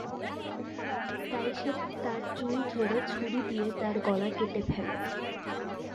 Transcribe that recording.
তাই সে তার চুল ধরে ছুরি দিয়ে তার গলা কেটে ফেলে।